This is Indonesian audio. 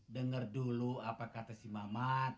dengar dulu apa kata si mamat